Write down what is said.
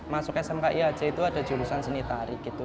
masuk smki aja itu ada jurusan seni tarik gitu